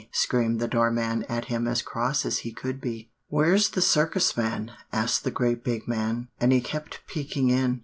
screamed the door man at him as cross as he could be. "'Where's the Circus man?' asked the great big man, and he kept peeking in.